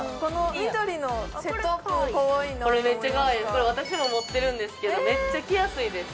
これ私も持ってるんですけどめっちゃ着やすいです